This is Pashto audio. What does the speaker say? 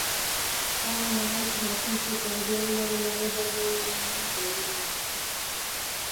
هغه مهال چې ماشوم ښه تغذیه ولري، وده به یې ونه درېږي.